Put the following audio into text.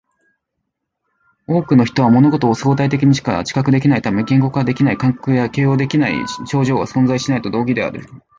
多くの人は物事を相対的にしか知覚できないため、言語化できない感覚や形容できない症状は存在しないと同義である